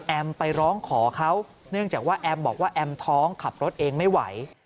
ไปร้องขอเขาเนื่องจากว่าแอมบอกว่าแอมท้องขับรถเองไม่ไหว